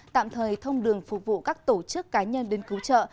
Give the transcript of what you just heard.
tạm thời thông đường phục vụ các tổ chức cá nhân đến cứu trợ